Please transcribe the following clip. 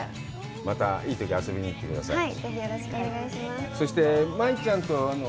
またいいとき遊びに来てください。